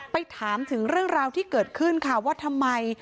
ถามถึงเรื่องราวที่เกิดขึ้นค่ะว่าทำไม